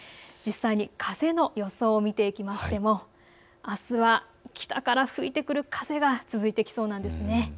実際に風の予想を見ていきましてもあすは北から吹いてくる風が続いてきそうなんですね。